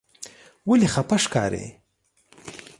ولې خپه ښکارې؟